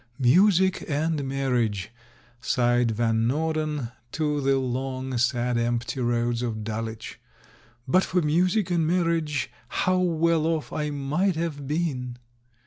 "Music and marriage!" sighed Van Norden to the long, sad, empty roads of Dul wich; "but for music and marriage how well off I might have been!"